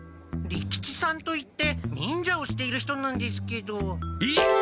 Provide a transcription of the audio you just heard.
利吉さんといって忍者をしている人なんですけど。えっ！？